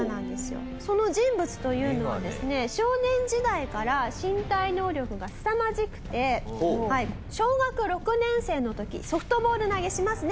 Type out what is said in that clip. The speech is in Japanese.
その人物というのはですね少年時代から身体能力がすさまじくて小学６年生の時ソフトボール投げしますね？